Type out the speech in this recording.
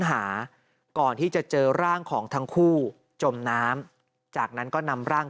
หาก่อนที่จะเจอร่างของทั้งคู่จมน้ำจากนั้นก็นำร่าง